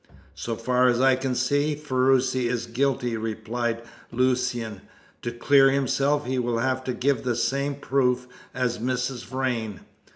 "So far as I can see, Ferruci is guilty," replied Lucian. "To clear himself he will have to give the same proof as Mrs. Vrain.